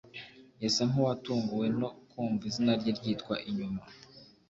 Yasa nkuwatunguwe no kumva izina rye ryitwa inyuma